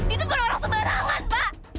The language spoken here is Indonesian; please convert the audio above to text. itu bukan orang sembarangan pak